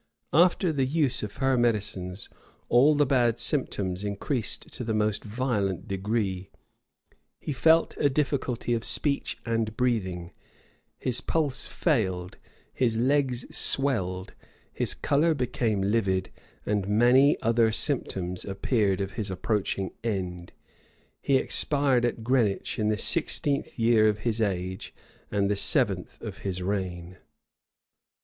After the use of her medicines, all the bad symptoms increased to the most violent degree: he felt a difficulty of speech and breathing; his pulse failed, his legs swelled, his color became livid, and many other symptoms appeared of his approaching end. He expired at Greenwich, in the sixteenth year of his age, and the seventh of his reign.